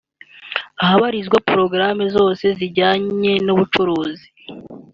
ahabarizwa porogaramu zose zijyanye n’ubucuruzi